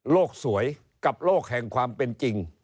สวยกับโลกแห่งความเป็นจริง